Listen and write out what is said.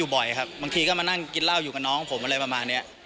บ่อยครับบางทีก็มานั่งกินเหล้าอยู่กับน้องผมอะไรประมาณนี้